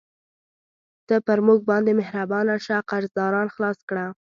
ته پر موږ باندې مهربانه شه، قرضداران خلاص کړه.